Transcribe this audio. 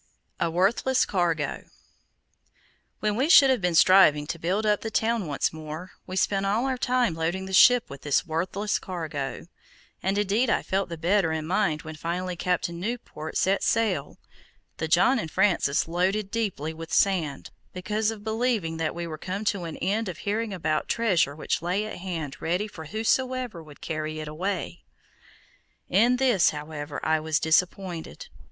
A WORTHLESS CARGO When we should have been striving to build up the town once more, we spent all our time loading the ship with this worthless cargo, and indeed I felt the better in my mind when finally Captain Newport set sail, the John and Francis loaded deeply with sand, because of believing that we were come to an end of hearing about treasure which lay at hand ready for whosoever would carry it away. In this, however, I was disappointed.